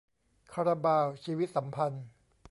คาราบาว 'ชีวิตสัมพันธ์'